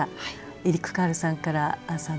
エリック・カールさんから杏さん